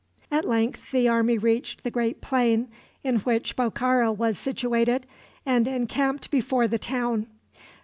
At length the army reached the great plain in which Bokhara was situated, and encamped before the town.